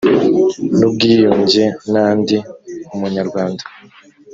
n ubwiyunge na ndi umunyarwanda